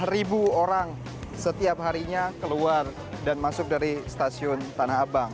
satu ratus dua belas ribu orang setiap harinya keluar dan masuk dari stasiun tanah abang